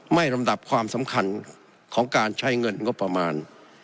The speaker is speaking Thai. ลำดับความสำคัญของการใช้เงินงบประมาณ